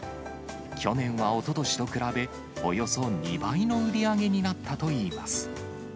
去年はおととしと比べ、およそ２倍の売り上げになったといいます。